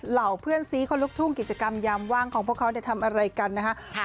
เหล่าเพื่อนซีเขาลุกทุ่งกิจกรรมยามว่างของพวกเขาทำอะไรกันนะฮะ